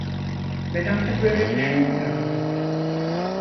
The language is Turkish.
Ben artık böyle düşünmüyordum.